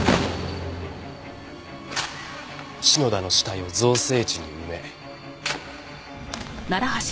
篠田の死体を造成地に埋め。